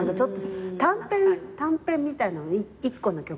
短編短編みたいなの１個の曲が。